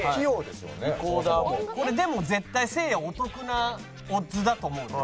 これでも絶対せいやお得なオッズだと思うな。